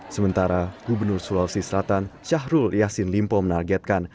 sementara gubernur sulawesi selatan syahrul yassin limpo menargetkan